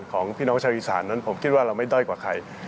ของพี่น้องชาวอีสานนั้นผมคิดว่าเราไม่ด้อยกว่าใคร